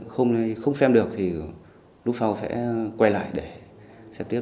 không xem được thì lúc sau sẽ quay lại để trực tiếp